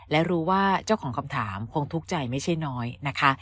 และรู้ว่าเจ้าของคำถามคงทุกข์ใจไม่ใช่น้อยนะคะ